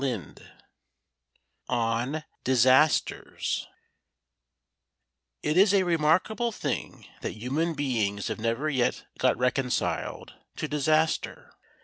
XXI ON DISASTERS It is a remarkable thing that human beings have never yet got reconciled to disaster.